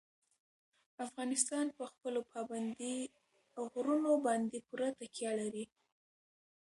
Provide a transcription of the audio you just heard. افغانستان په خپلو پابندي غرونو باندې پوره تکیه لري.